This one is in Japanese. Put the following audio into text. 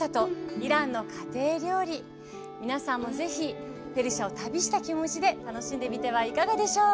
イランの家庭料理皆さんも是非ペルシャを旅した気持ちで楽しんでみてはいかがでしょう。